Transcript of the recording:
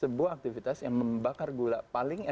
sebuah aktivitas yang membakar gula paling